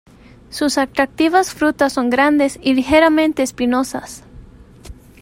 Sus atractivas frutas son grandes y ligeramente espinosas.